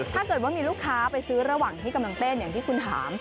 ถ้าเกิดว่ามีลูกค้าไปซื้อระหว่างที่กำลังเต้นอย่างที่คุณถาม